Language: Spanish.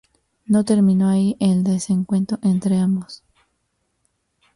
No terminó ahí el desencuentro entre ambos.